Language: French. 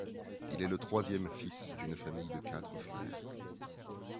Il est le troisième fils d'une famille de quatre frères.